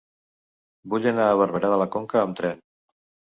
Vull anar a Barberà de la Conca amb tren.